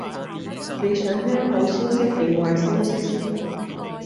你想聽好消息定壞消息先？